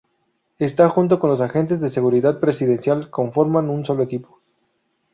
Está junto con los agentes de seguridad presidencial conforman un solo equipo.